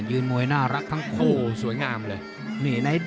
มวยน่ารักทั้งคู่สวยงามเลย